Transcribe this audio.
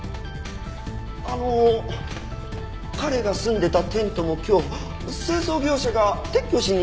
あの彼が住んでたテントも今日清掃業者が撤去しに来ちゃいますけど。